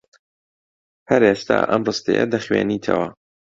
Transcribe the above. هەر ئێستا ئەم ڕستەیە دەخوێنیتەوە.